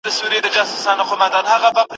جهاني د ړندو ښار دی هم کاڼه دي هم ګونګي دي